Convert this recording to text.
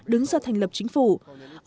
đứng ra thành lập chính phủ mới của nước này